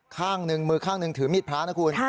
ข้างหนึ่งมือข้างหนึ่งถือมีดพระนะคุณ